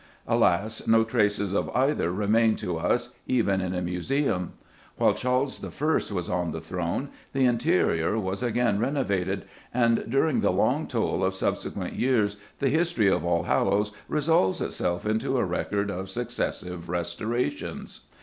Alas, no traces of either remain to us, even in a museum. While Charles I. was on the throne the interior was again renovated, and during the long toll of subsequent years the history of Allhallows resolves itself into a record of successive restorations.